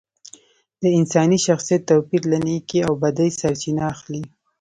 د انساني شخصیت توپیر له نیکۍ او بدۍ سرچینه اخلي